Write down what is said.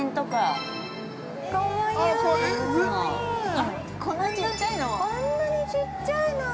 あっ、こんなにちっちゃいの！